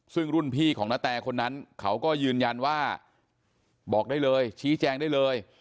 ซึ่งรุ่นพี่ของนาแตคนนั้นเขาก็ยืนยันว่าบอกได้เลยชี้แจงได้เลย